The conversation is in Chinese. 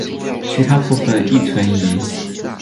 其他部分亦存疑。